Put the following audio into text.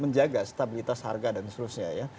menjaga stabilitas harga dan seterusnya ya